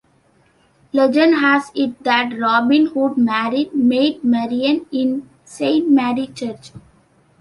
Legend has it that Robin Hood married Maid Marian in Saint Mary's Church.